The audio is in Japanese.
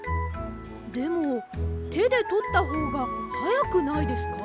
でもてでとったほうがはやくないですか？